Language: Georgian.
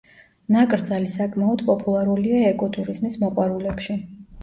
ნაკრძალი საკმაოდ პოპულარულია ეკოტურიზმის მოყვარულებში.